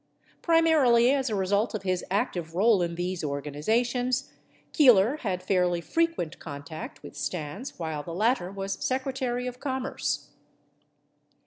Primarily as a result of his active role in these organizations, Keeler had fairly frequent contact with Stans while the latter was Secre tary of Commerce.